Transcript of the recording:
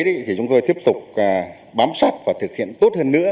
thì chúng tôi tiếp tục bám sát và thực hiện tốt hơn nữa